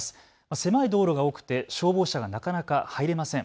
狭い道路が多くて消防車がなかなか入れません。